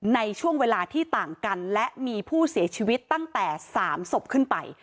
ในช่วงเวลาที่ต่างกันและมีผู้เสียชีวิตตั้งแต่๓ศพขึ้นไป